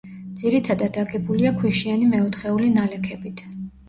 ძირითადად აგებულია ქვიშიანი მეოთხეული ნალექებით.